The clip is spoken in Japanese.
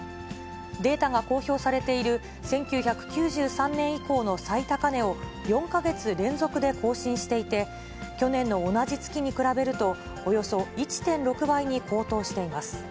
データが公表されている１９９３年以降の最高値を４か月連続で更新していて、去年の同じ月に比べると、およそ１．６倍に高騰しています。